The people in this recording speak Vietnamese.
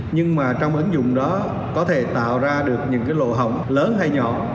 nhưng mà trong ứng dụng đó có thể tạo ra được những cái lỗ hỏng lớn hay nhỏ